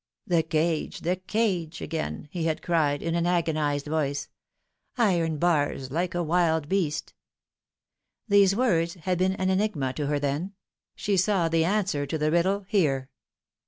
" The cage the cage again !" he had cried in an agonised voice ;" iron bars like a wild beast !" These words had been an enigma to her then. She saw the answer to the riddle here.